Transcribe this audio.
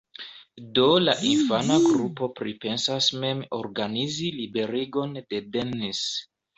Do la infana grupo pripensas mem organizi liberigon de Dennis.